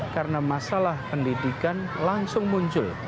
karena masalah pendidikan langsung muncul